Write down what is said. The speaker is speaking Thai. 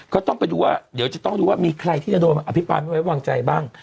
ก็ต้องไปดูว่าเดี๋ยวจะต้องดูว่ามีใครที่จะโดนอภิปันไว้วางใจบ้าง